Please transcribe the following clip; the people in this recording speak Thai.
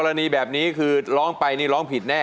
ณีแบบนี้คือร้องไปนี่ร้องผิดแน่